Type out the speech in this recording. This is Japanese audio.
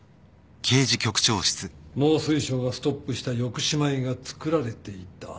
農水省がストップした抑止米が作られていた。